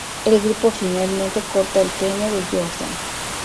El grupo finalmente corta el pene de Jordan.